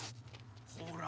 ほら！